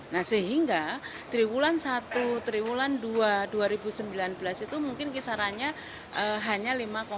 nah sehingga triwulan satu triwulan dua dua ribu sembilan belas itu mungkin kisarannya hanya lima enam